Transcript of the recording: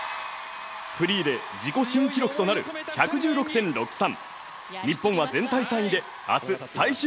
フリーで自己新記録となる１１６．６３。